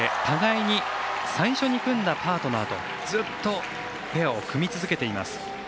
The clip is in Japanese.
互いに最初に組んだパートナーとずっとペアを組み続けています。